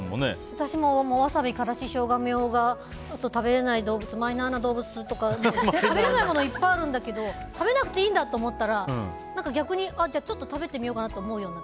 私もワサビ、からしショウガ、ミョウガ食べれない動物マイナーな動物とか食べられないものいっぱいあるんだけど食べなくていいんだって思ったら逆にちょっと食べてみようかなって思う。